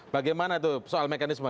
bagaimana itu soal mekanisme